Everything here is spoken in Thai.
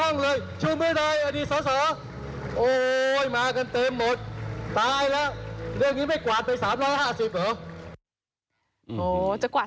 โอ้จะกวาด๓๕๐เลยเหรอ